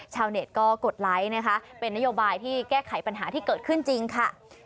ชาวเน็ตก็กดไลค์นะคะเป็นนโยบายที่แก้ไขปัญหาที่เกิดขึ้นจริงค่ะ